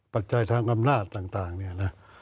ปัจจัยทางกำหน้าต่างนี่นะ